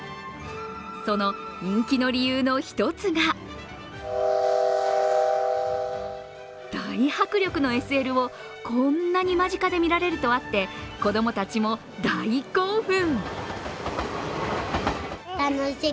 その人気の理由の一つが大迫力のＳＬをこんなに間近で見られるとあって子供たちも大興奮。